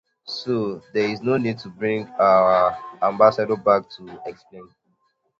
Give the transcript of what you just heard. So there is no need to bring our ambassador back to explain.